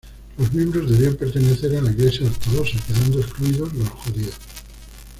Los miembros debían pertenecer a la iglesia ortodoxa, quedando excluidos los judíos.